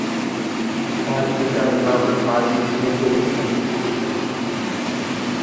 তার পিতার নাম কাজী শহীদুল ইসলাম।